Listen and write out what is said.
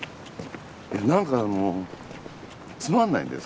何かあのつまんないんだよ